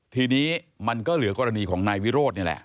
ทีนี้มันก็เหลือกรณีของนายวิโรธนี่แหละ